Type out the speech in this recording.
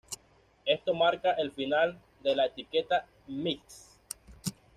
Esto marca el final de la etiqueta Mist.